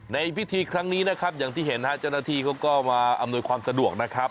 ในพิธีครั้งนี้นะครับอย่างที่เห็นฮะเจ้าหน้าที่เขาก็มาอำนวยความสะดวกนะครับ